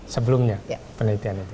sebelumnya penelitian itu